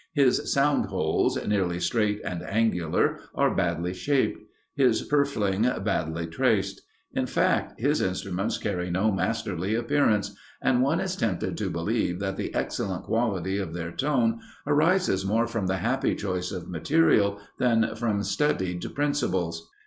His sound holes, nearly straight and angular, are badly shaped; his purfling badly traced; in fact, his instruments carry no masterly appearance, and one is tempted to believe that the excellent quality of their tone arises more from the happy choice of material than from studied principles.